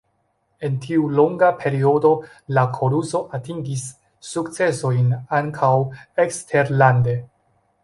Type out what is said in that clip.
En tiu longa periodo la koruso atingis sukcesojn ankaŭ eksterlande.